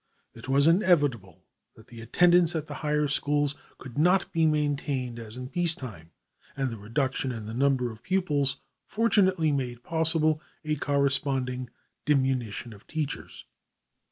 It was inevitable that the attendance at the higher schools could not be maintained as in peace time, and the reduction in the number of pupils fortunately made possible a corresponding diminution of teachers.